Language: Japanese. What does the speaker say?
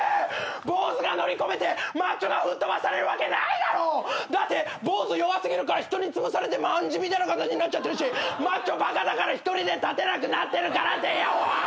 坊主が乗り込めてマッチョが吹っ飛ばされるわけないだろう！だって坊主弱過ぎるから人につぶされてまんじみたいな形になっちゃってるしマッチョバカだから一人で立てなくなってるからっていやおい！